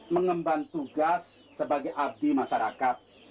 mengemban tugas sebagai abdi masyarakat